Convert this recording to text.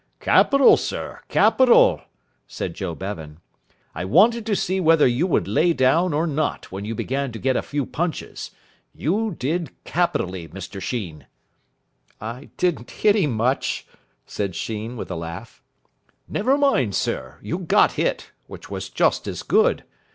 "Capital, sir, capital," said Joe Bevan. "I wanted to see whether you would lay down or not when you began to get a few punches. You did capitally, Mr Sheen." "I didn't hit him much," said Sheen with a laugh. "Never mind, sir, you got hit, which was just as good.